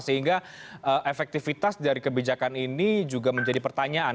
sehingga efektivitas dari kebijakan ini juga menjadi pertanyaan